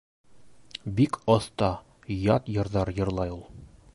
Бик оҫта, ят йырҙар йырлай ул.